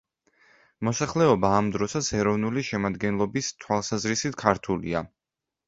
მოსახლეობა ამ დროსაც ეროვნული შემადგენლობის თვალსაზრისით ქართულია.